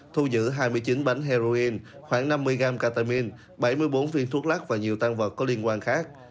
thu giữ hai mươi chín bánh heroin khoảng năm mươi gram ketamine bảy mươi bốn viên thuốc lắc và nhiều tăng vật có liên quan khác